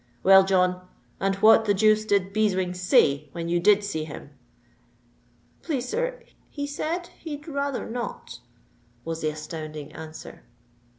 "Well, John—and what the deuce did Beeswing say when you did see him?" "Please, sir, he said he'd rayther not," was the astounding answer. Mr.